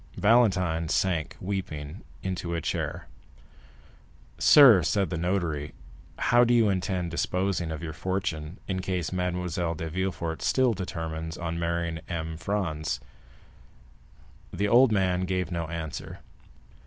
Valentine sank weeping into a chair. "Sir," said the notary, "how do you intend disposing of your fortune in case Mademoiselle de Villefort still determines on marrying M. Franz?" The old man gave no answer.